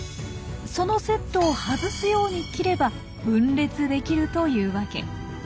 そのセットを外すように切れば分裂できるというわけ。